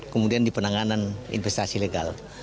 kemudian di penanganan investasi legal